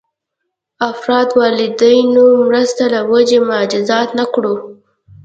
افراد والدینو مرسته له وجې مجازات نه کړو.